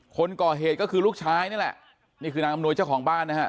คนก่อเหตุก็คือลูกชายนี่แหละนี่คือนางอำนวยเจ้าของบ้านนะฮะ